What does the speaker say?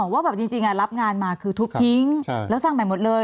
ว่าแบบจริงรับงานมาคือทุบทิ้งแล้วสร้างใหม่หมดเลย